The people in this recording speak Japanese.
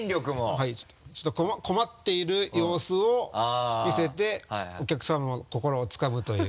はいちょっと困っている様子を見せてお客さまの心をつかむという。